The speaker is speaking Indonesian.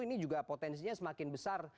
ini juga potensinya semakin besar